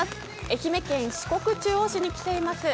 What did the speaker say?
愛媛県四国中央市に来ています。